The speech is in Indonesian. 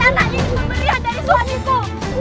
dan anak ini membelian dari suamiku